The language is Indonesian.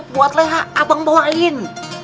buat leha abang bawain